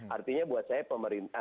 artinya buat saya masyarakat mulai cerdas